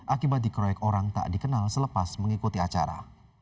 akibat dikroyek orang tak dikenal selepas mengikuti acara